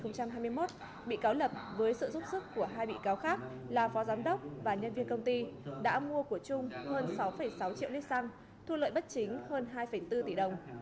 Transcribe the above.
năm hai nghìn hai mươi một bị cáo lập với sự giúp sức của hai bị cáo khác là phó giám đốc và nhân viên công ty đã mua của trung hơn sáu sáu triệu lít xăm thu lợi bất chính hơn hai bốn tỷ đồng